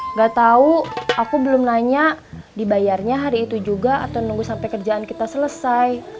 nggak tahu aku belum nanya dibayarnya hari itu juga atau nunggu sampai kerjaan kita selesai